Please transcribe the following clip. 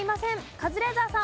カズレーザーさん。